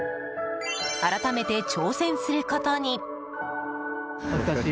改めて挑戦することに！